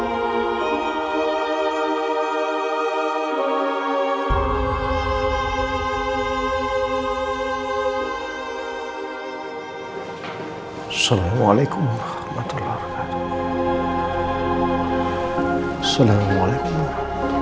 assalamualaikum warahmatullahi wabarakatuh